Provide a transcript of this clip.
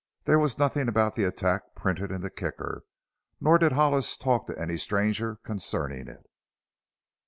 There was nothing about the attack printed in the Kicker nor did Hollis talk to any stranger concerning it.